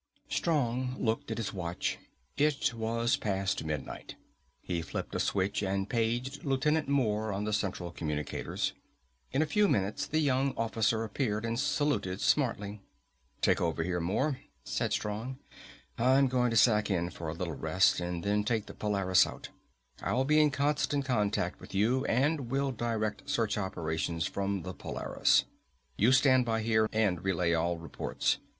Strong looked at his watch. It was past midnight. He flipped a switch and paged Lieutenant Moore on the central communicators. In a few moments the young officer appeared and saluted smartly. "Take over here, Moore," said Strong. "I'm going to sack in for a little rest and then take the Polaris out. I'll be in constant contact with you and will direct search operations from the Polaris. You stand by here and relay all reports.